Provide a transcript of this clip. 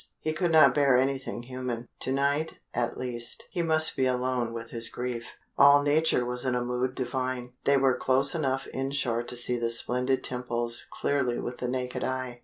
He could not bear anything human. To night, at least, he must be alone with his grief. All nature was in a mood divine. They were close enough inshore to see the splendid temples clearly with the naked eye.